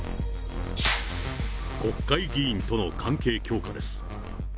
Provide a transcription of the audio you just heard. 国会議員との関係強化です。